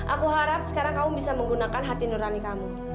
aku harap sekarang kamu bisa menggunakan hati nurani kamu